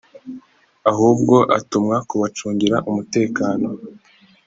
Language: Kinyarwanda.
ahubwo atumwa kubacungira umutekano